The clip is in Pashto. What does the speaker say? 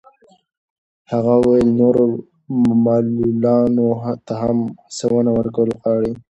هغه وویل نورو معلولانو ته هم هڅونه ورکول غواړي.